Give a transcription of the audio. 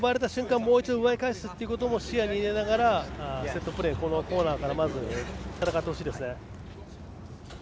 もう一度奪い返すことも視野に入れながらセットプレー、コーナーから戦ってほしいです。